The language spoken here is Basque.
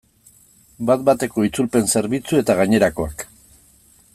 Bat-bateko itzulpen zerbitzu eta gainerakoak.